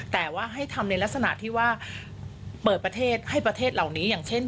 แต่ว่าให้ทำในลักษณะที่ว่าเปิดประเทศให้ประเทศเหล่านี้อย่างเช่น